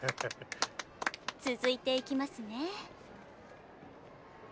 続いていきますね。